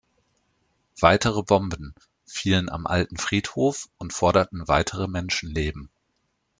Weitere Bomben fielen am Alten Friedhof und forderten weitere Menschenleben.